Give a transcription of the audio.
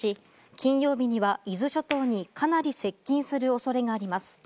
金曜日には伊豆諸島にかなり接近する恐れがあります。